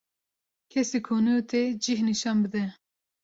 Kesî ku nû tê cih nişan bide